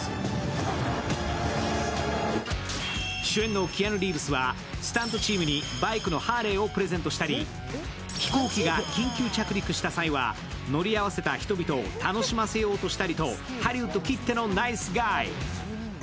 主演のキアヌ・リーブスはスタントチームにバイクのハーレーをプレゼントしたり、飛行機が緊急着陸した際は、乗り合わせた人々を楽しませようとしたりとハリウッドきってのナイスガイ。